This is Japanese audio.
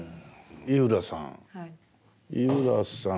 井浦さん。